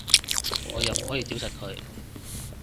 我又唔可以屌柒佢